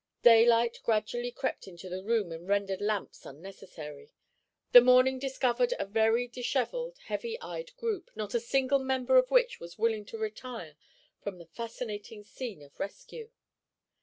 Daylight gradually crept into the room and rendered lamps unnecessary. The morning discovered a very disheveled, heavy eyed group, not a single member of which was willing to retire from the fascinating scene of rescue.